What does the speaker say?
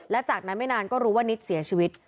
และจากนั้นไม่นานก็รู้ว่านิดเสียชีวิต